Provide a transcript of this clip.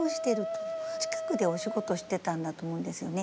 近くでお仕事してたんだと思うんですよね。